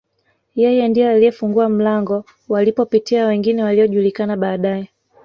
Yeye ndiye aliyefungua mlango walipopitia wengine waliojulikana baadae